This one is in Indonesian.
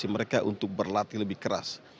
mereka untuk berlatih lebih keras